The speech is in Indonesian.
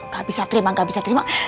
gak bisa terima gak bisa terima